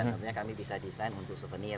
tentunya kami bisa desain untuk souvenir